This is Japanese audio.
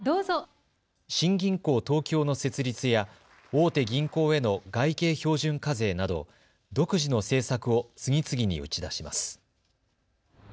新銀行東京の設立や大手銀行への外形標準課税など独自の政策を次々に打ち出します。